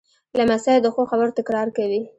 لمسی د ښو خبرو تکرار کوي.